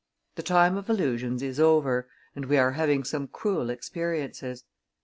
The time of illusions is over, and we are having some cruel experiences.